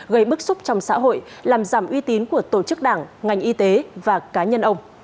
gây bức xúc trong xã hội làm giảm uy tín của tổ chức đảng ngành y tế và cá nhân ông